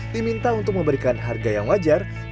diminta untuk memberikan harga yang lebih tinggi